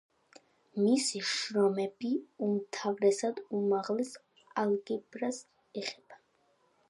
მისი შრომები უმთავრესად უმაღლეს ალგებრას ეხება.